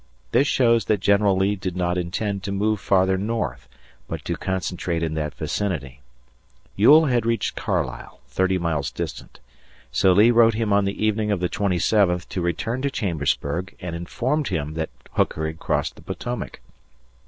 This shows that General Lee did not intend to move farther north, but to concentrate in that vicinity. Ewell had reached Carlisle thirty miles distant. So Lee wrote him on the evening of the twenty seventh to return to Chambersburg and informed him that Hooker had crossed the Potomac.